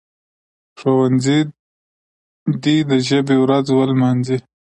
ښوونځي دي د ژبي ورځ ولمانځي.